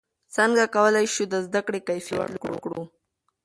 څنګه کولای شو د زده کړې کیفیت لوړ کړو؟